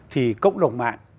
thì cộng đồng mạng